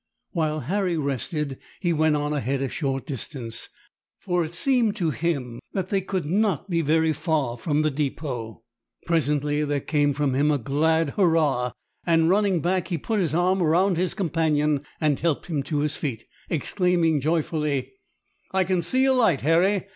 While Harry rested he went on ahead a short distance, for it seemed to him that they could not be very far from the depot. Presently there came from him a glad hurrah, and running back he put his arm around his companion, and helped him to his feet, exclaiming joyfully,— "I can see a light, Harry.